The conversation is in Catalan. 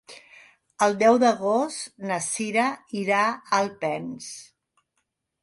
El deu d'agost na Cira irà a Alpens.